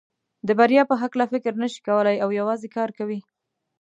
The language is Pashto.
د بریا په هکله فکر نشي کولای او یوازې کار کوي.